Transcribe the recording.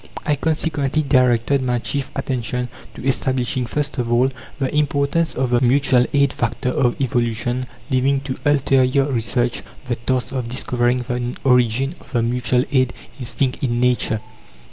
I consequently directed my chief attention to establishing first of all, the importance of the Mutual Aid factor of evolution, leaving to ulterior research the task of discovering the origin of the Mutual Aid instinct in Nature.